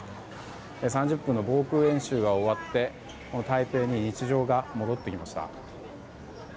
３０分の防空演習が終わってこの台北に日常が戻ってきました。